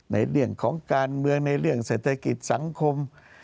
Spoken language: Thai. ในเรื่องของการเมืองในเรื่องเศรษฐกิจสังคม